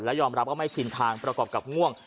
ยอมรับว่าไม่ชินทางประกอบกับง่วง